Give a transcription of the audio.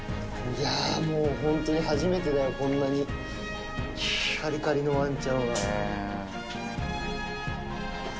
いやぁ、もう本当に初めてだよ、こんなにがりがりのわんちゃんは。